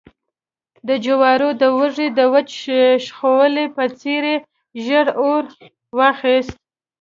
د جوارو د وږي د وچ شخولي په څېر يې ژر اور واخیست